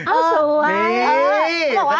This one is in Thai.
เอ้อสวย